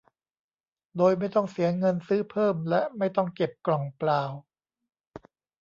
โดยไม่ต้องเสียเงินซื้อเพิ่มและไม่ต้องเก็บกล่องเปล่า